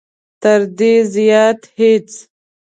تر دې زیات هېڅ.